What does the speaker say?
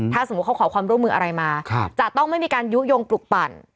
ถ้าสมมุติเขาขอความร่วมมืออะไรมาจะต้องไม่มีการยุโยงปลุกปั่น